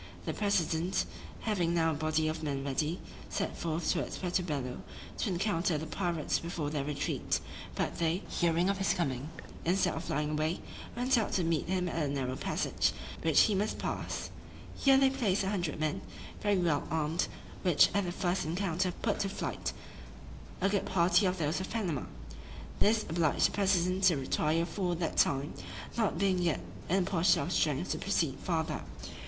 The president, having now a body of men ready, set forth towards Puerto Bello, to encounter the pirates before their retreat; but, they, hearing of his coming, instead of flying away, went out to meet him at a narrow passage, which he must pass: here they placed a hundred men, very well armed, which at the first encounter put to flight a good party of those of Panama. This obliged the president to retire for that time, not being yet in a posture of strength to proceed farther.